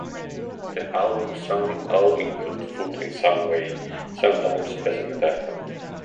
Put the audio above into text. The album's songs all include food in some way, sometimes as a metaphor.